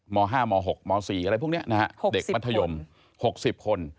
ม๕ม๖ม๔อะไรพวกนี้นะฮะเด็กมัธยม๖๐คน